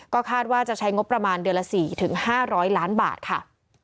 คาดว่าจะใช้งบประมาณเดือนละ๔๕๐๐ล้านบาทค่ะ